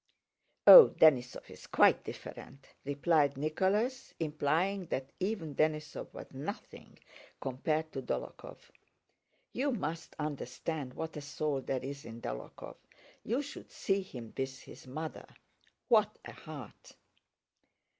"Oh, Denísov is quite different," replied Nicholas, implying that even Denísov was nothing compared to Dólokhov—"you must understand what a soul there is in Dólokhov, you should see him with his mother. What a heart!"